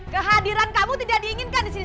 kehadiran kamu tidak diinginkan di sini